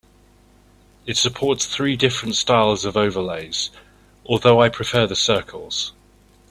It supports three different styles of overlays, although I prefer the circles.